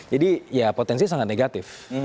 jadi ya potensi sangat negatif